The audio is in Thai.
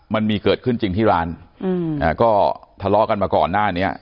มันมีเกิดขึ้นจริงที่ร้านอืมอ่าก็ทะเลาะกันมาก่อนหน้านี้